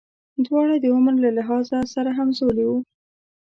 دواړه د عمر له لحاظه سره همزولي وو.